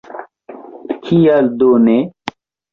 Kial do ne?